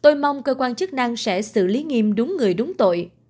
tôi mong cơ quan chức năng sẽ xử lý nghiêm đúng người đúng tội